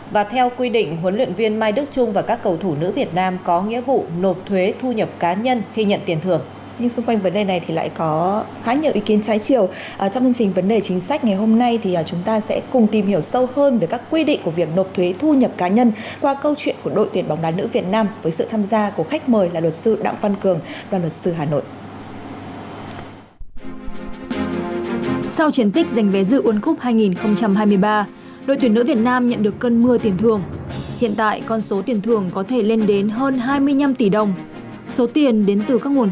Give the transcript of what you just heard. và theo quy định huấn luyện viên mai đức trung và các cầu thủ nữ việt nam có nghĩa vụ nộp thuế thu nhập cá nhân khi nhận tiền thưởng